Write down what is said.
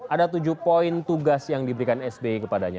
ada tujuh poin tugas yang diberikan sby kepadanya